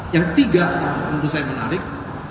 yang ketiga menurut saya menarik